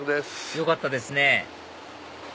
よかったですね